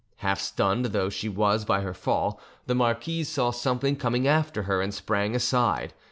Half stunned though she was by her fall, the marquise saw something coming after her, and sprang aside.